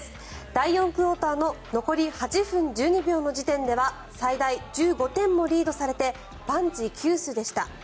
第４クオーターの残り８分１２秒の時点では最大１５点もリードされて万事休すでした。